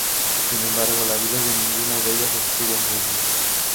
Sin embargo, la vida de ninguna de ellas estuvo en riesgo.